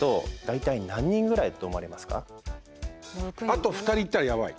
あと２人いったらやばい？